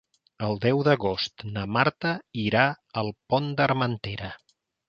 El deu d'agost na Marta irà al Pont d'Armentera.